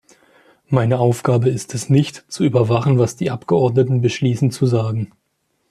Meine Aufgabe ist es nicht, zu überwachen, was die Abgeordneten beschließen zu sagen.